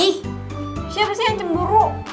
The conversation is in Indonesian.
ih siapa sih yang cemburu